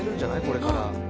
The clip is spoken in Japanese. これから。